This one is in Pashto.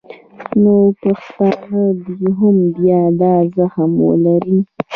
نو پښتانه دې هم بیا دا زغم ولري